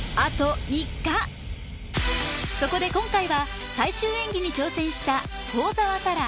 そこで今回は最終演技に挑戦した幸澤沙良